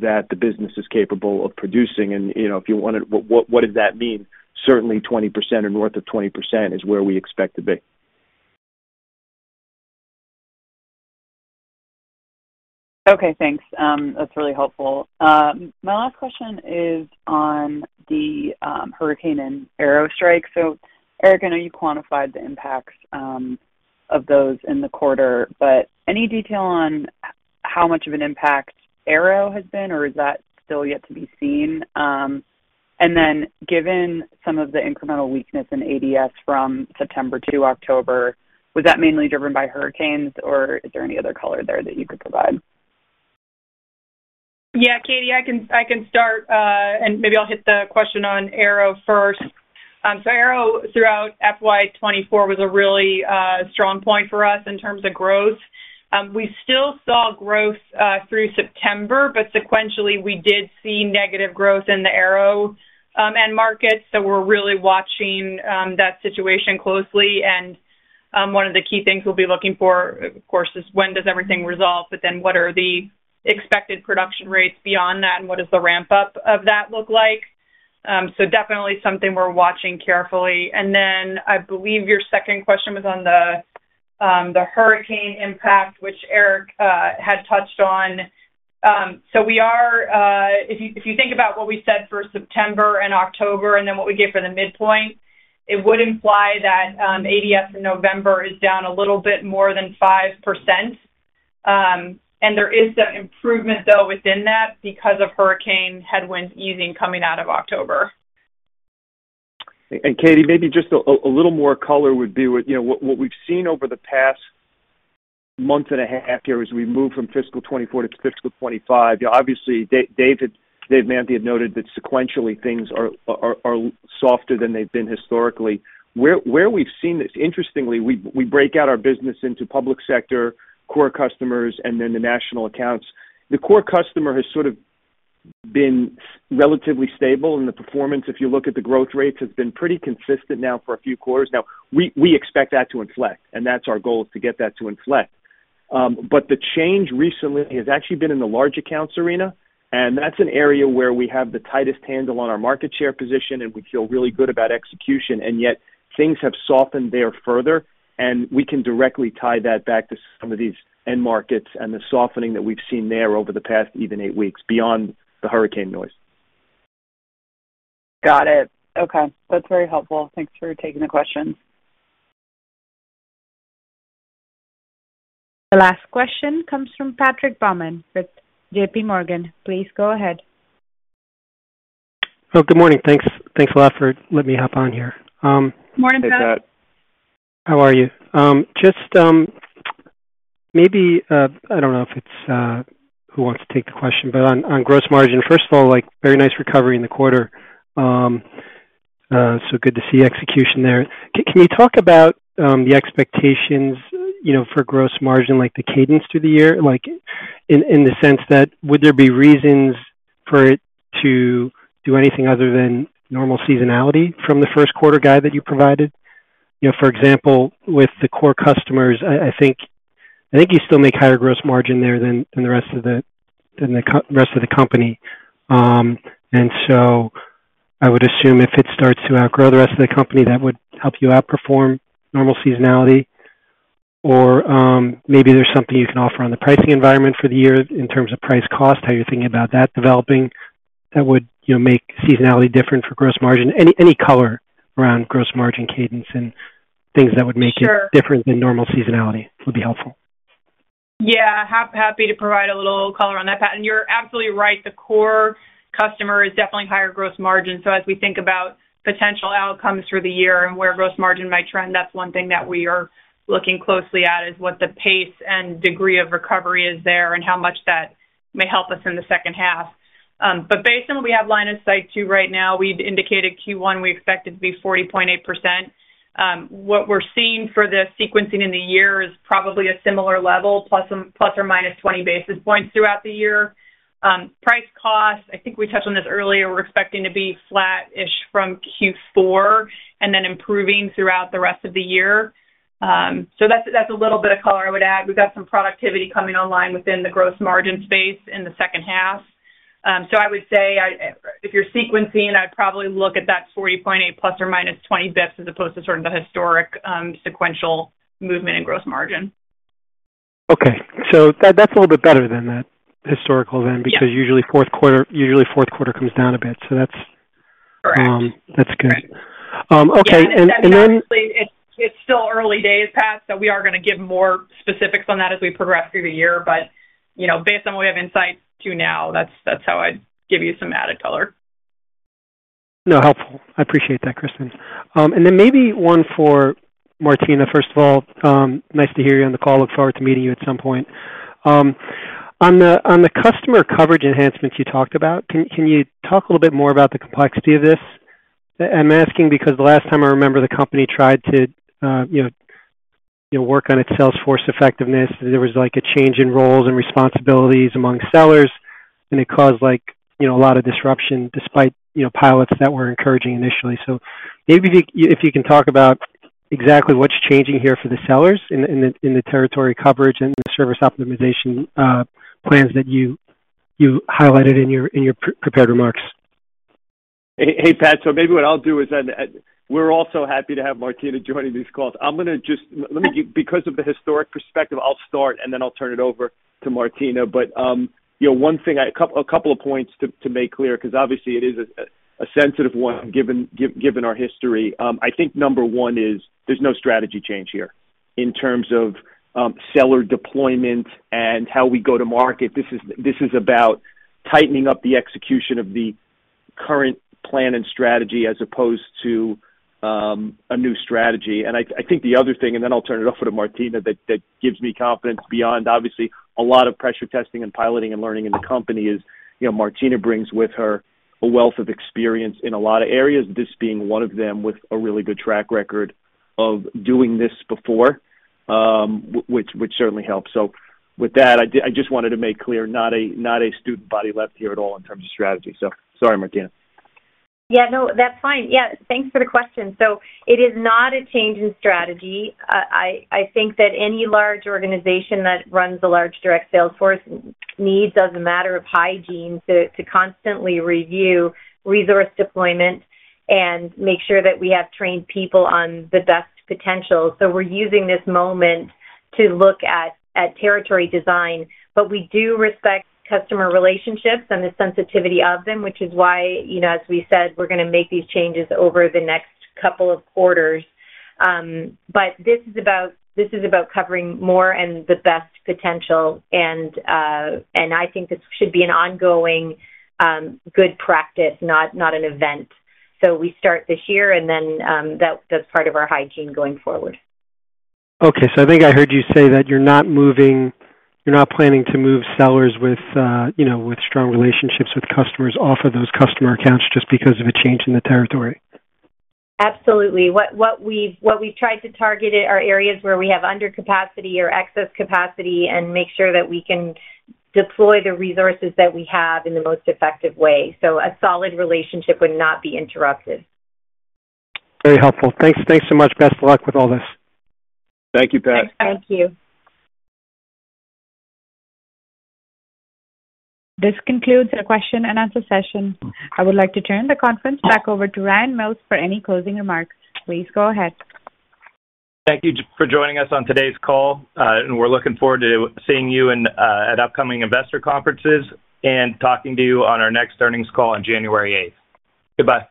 that the business is capable of producing. And, you know, if you wonder, what does that mean? Certainly 20% or north of 20% is where we expect to be. Okay, thanks. That's really helpful. My last question is on the hurricane and aero strike, so Erik, I know you quantified the impacts of those in the quarter, but any detail on how much of an impact aero has been, or is that still yet to be seen, and then, given some of the incremental weakness in ADS from September to October, was that mainly driven by hurricanes, or is there any other color there that you could provide? Yeah, Katie, I can start, and maybe I'll hit the question on aero first. So aero throughout FY 2024 was a really strong point for us in terms of growth. We still saw growth through September, but sequentially, we did see negative growth in the aero end markets. So we're really watching that situation closely. And one of the key things we'll be looking for, of course, is when does everything resolve, but then what are the expected production rates beyond that, and what does the ramp up of that look like? So definitely something we're watching carefully. And then I believe your second question was on the hurricane impact, which Erik had touched on. So we are, if you think about what we said for September and October and then what we gave for the midpoint, it would imply that ADS in November is down a little bit more than 5%. And there is some improvement, though, within that, because of hurricane headwinds easing coming out of October. Katie, maybe just a little more color would be, you know, what we've seen over the past month and a half here as we move from fiscal twenty-four to fiscal twenty-five. Obviously, David, Dave Mantey had noted that sequentially, things are softer than they've been historically. Where we've seen this, interestingly, we break out our business into public sector, core customers, and then the national accounts. The core customer has sort of been relatively stable in the performance. If you look at the growth rates, has been pretty consistent now for a few quarters now. We expect that to inflect, and that's our goal, is to get that to inflect. But the change recently has actually been in the large accounts arena, and that's an area where we have the tightest handle on our market share position, and we feel really good about execution, and yet things have softened there further, and we can directly tie that back to some of these end markets and the softening that we've seen there over the past even eight weeks, beyond the hurricane noise. Got it. Okay, that's very helpful. Thanks for taking the questions. The last question comes from Patrick Baumann with J.P. Morgan. Please go ahead. Oh, good morning. Thanks. Thanks a lot for letting me hop on here. Good morning, Pat. Hey, Pat. How are you? Just, maybe, I don't know if it's who wants to take the question, but on gross margin. First of all, like, very nice recovery in the quarter. So good to see execution there. Can you talk about the expectations, you know, for gross margin, like the cadence through the year? Like, in the sense that would there be reasons for it to do anything other than normal seasonality from the first quarter guide that you provided? You know, for example, with the core customers, I think you still make higher gross margin there than the rest of the company. And so I would assume if it starts to outgrow the rest of the company, that would help you outperform normal seasonality. Or, maybe there's something you can offer on the pricing environment for the year in terms of price cost, how you're thinking about that developing, that would, you know, make seasonality different for gross margin. Any color around gross margin cadence and things that would make it- Sure. Different than normal seasonality would be helpful. Yeah, happy to provide a little color on that, Pat, and you're absolutely right. The core customer is definitely higher gross margin. So as we think about potential outcomes through the year and where gross margin might trend, that's one thing that we are looking closely at, is what the pace and degree of recovery is there and how much that may help us in the second half. But based on what we have line of sight to right now, we've indicated Q1, we expect it to be 40.8%. What we're seeing for the sequencing in the year is probably a similar level, plus some, plus or minus 20 basis points throughout the year. Price costs, I think we touched on this earlier, we're expecting to be flat-ish from Q4 and then improving throughout the rest of the year. That's, that's a little bit of color I would add. We've got some productivity coming online within the gross margin space in the second half. I would say, if you're sequencing, I'd probably look at that 40.8 plus or minus 20 basis points, as opposed to sort of the historic sequential movement in gross margin. Okay. So that's a little bit better than that historical then. Yeah. because usually fourth quarter, usually fourth quarter comes down a bit. So that's- Correct. That's good. Okay, and then- It's still early days, Pat, so we are gonna give more specifics on that as we progress through the year. But, you know, based on what we have insights to now, that's how I'd give you some added color. No, helpful. I appreciate that, Kristen, and then maybe one for Martina. First of all, nice to hear you on the call. Look forward to meeting you at some point. On the customer coverage enhancements you talked about, can you talk a little bit more about the complexity of this? I'm asking because the last time I remember, the company tried to, you know, work on its sales force effectiveness. There was, like, you know, a change in roles and responsibilities among sellers, and it caused, like, you know, a lot of disruption despite, you know, pilots that were encouraging initially. So maybe if you can talk about exactly what's changing here for the sellers in the territory coverage and the service optimization plans that you highlighted in your prepared remarks. Hey, Pat, so maybe what I'll do is then we're also happy to have Martina joining these calls. I'm gonna let me give. Because of the historic perspective, I'll start, and then I'll turn it over to Martina. But you know, one thing, a couple of points to make clear, 'cause obviously it is a sensitive one, given our history. I think number one is there's no strategy change here in terms of seller deployment and how we go to market. This is about tightening up the execution of the current plan and strategy as opposed to a new strategy. And I think the other thing, and then I'll turn it over to Martina, that gives me confidence beyond obviously a lot of pressure testing and piloting and learning in the company is, you know, Martina brings with her a wealth of experience in a lot of areas, this being one of them, with a really good track record of doing this before, which certainly helps. So with that, I just wanted to make clear, not a student body left here at all in terms of strategy. So sorry, Martina. Yeah, no, that's fine. Yeah, thanks for the question. So it is not a change in strategy. I think that any large organization that runs a large direct sales force needs, as a matter of hygiene, to constantly review resource deployment and make sure that we have trained people on the best potential. So we're using this moment to look at territory design, but we do respect customer relationships and the sensitivity of them, which is why, you know, as we said, we're gonna make these changes over the next couple of quarters. But this is about covering more and the best potential, and I think this should be an ongoing good practice, not an event. So we start this year, and then that's part of our hygiene going forward. Okay, so I think I heard you say that you're not planning to move sellers with, you know, with strong relationships with customers off of those customer accounts just because of a change in the territory. Absolutely. What we've tried to target are areas where we have undercapacity or excess capacity and make sure that we can deploy the resources that we have in the most effective way, so a solid relationship would not be interrupted. Very helpful. Thanks. Thanks so much. Best of luck with all this. Thank you, Pat. Thank you. This concludes the question and answer session. I would like to turn the conference back over to Ryan Mills for any closing remarks. Please go ahead. Thank you for joining us on today's call, and we're looking forward to seeing you at upcoming investor conferences and talking to you on our next earnings call on January eighth. Goodbye.